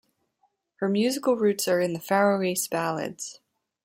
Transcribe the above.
Her musical roots are in the Faroese ballads.